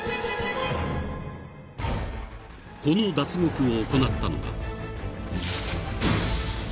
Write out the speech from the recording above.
［この脱獄を行ったのが］